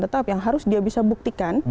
tetap yang harus dia bisa buktikan